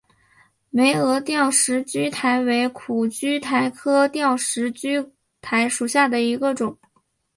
峨眉吊石苣苔为苦苣苔科吊石苣苔属下的一个种。